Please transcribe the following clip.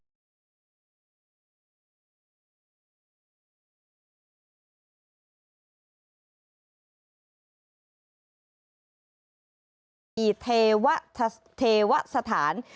ที่เทวะสถาน